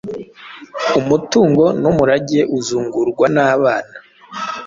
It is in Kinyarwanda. Umutungo numurage uzungurwa nabana